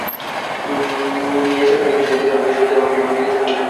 Miniature পেইন্টিংয়ের শেষ দিন বিশেষ অতিথি হিসেবে আমাকে নিয়ে যেতে চেয়েছিল মিঠু।